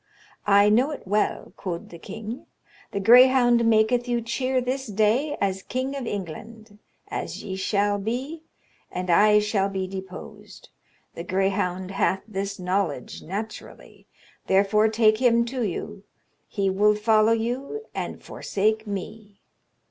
'I know it well,' quod the kynge: 'the grayhounde maketh you chere this daye as kynge of Englande, as ye shall be, and I shall be deposed; the grayhounde hath this knowledge naturally, therefore take hym to you: he will follow you and forsake me.'